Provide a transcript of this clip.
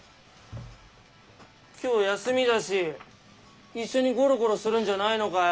今日休みだし一緒にゴロゴロするんじゃないのかよ。